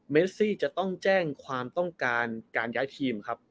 เซซี่จะต้องแจ้งความต้องการการย้ายทีมครับ